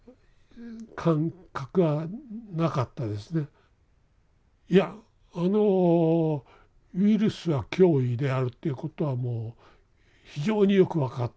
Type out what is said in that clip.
例えば当然いやあのウイルスは脅威であるっていうことはもう非常によく分かってます。